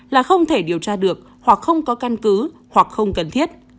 là không thể điều tra được hoặc không có căn cứ hoặc không cần thiết